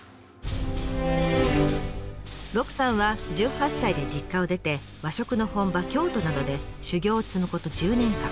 鹿さんは１８歳で実家を出て和食の本場京都などで修業を積むこと１０年間。